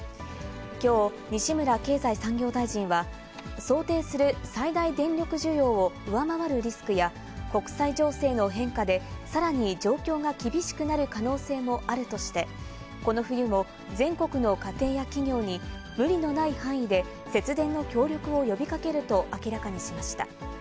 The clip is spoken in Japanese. きょう、西村経済産業大臣は、想定する最大電力需要を上回るリスクや、国際情勢の変化で、さらに状況が厳しくなる可能性もあるとして、この冬も全国の家庭や企業に無理のない範囲で節電の協力を呼びかけると明らかにしました。